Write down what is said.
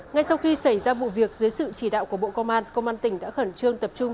ngay sau khi xảy ra vụ việc dưới sự chỉ đạo của bộ công an công an tỉnh đã khẩn trương tập trung